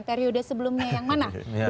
periode sebelumnya yang mana